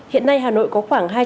hiện nay hà nội có khoảng